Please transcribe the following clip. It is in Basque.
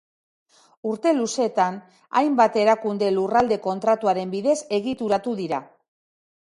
Urte luzetan, hainbat erakunde Lurralde Kontratuaren bidez egituratu dira.